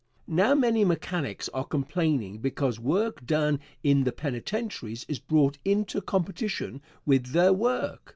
Now many mechanics are complaining because work done in the penitentiaries is brought into competition with their work.